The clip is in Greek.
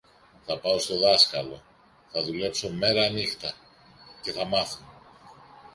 Θα πάω στο δάσκαλο, θα δουλέψω μέρανύχτα, και θα μάθω!